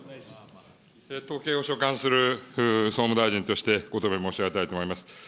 統計を所管する総務大臣としてご答弁申し上げたいと思います。